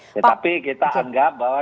tetapi kita anggap bahwa